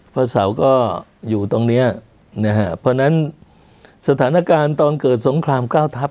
พระเสาร์ก็อยู่ตรงเนี้ยนะฮะเพราะฉะนั้นสถานการณ์ตอนเกิดสงครามเก้าทัพ